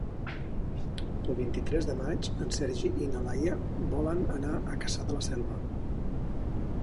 El vint-i-tres de maig en Sergi i na Laia volen anar a Cassà de la Selva.